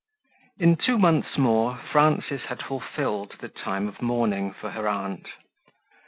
IN two months more Frances had fulfilled the time of mourning for her aunt.